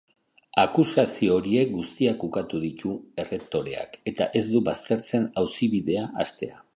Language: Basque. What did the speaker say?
Akusazio horiek guztiak ukatu ditu errektoreak eta ez du baztertzen auzibidea hastea.